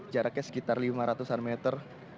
jaraknya sekitar lima ratus an meter